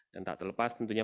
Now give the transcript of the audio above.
dan tak terlepas tentu saja